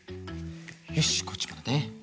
よしこっちもだね。